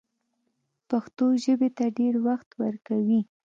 پښتو ژبې ته ډېر وخت ورکوي